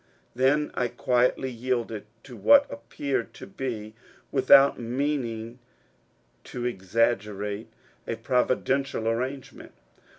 Then I quietly yielded to what appeared to be — without meaning to exaggerate — a providential arrange ment.